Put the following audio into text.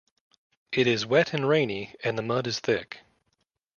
It is wet and rainy, and the mud is thick.